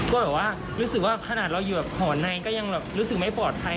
ก็แบบว่ารู้สึกว่าขนาดเราอยู่กับหอในก็ยังแบบรู้สึกไม่ปลอดภัย